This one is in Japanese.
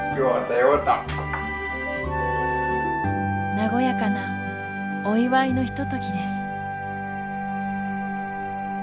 和やかなお祝いのひとときです。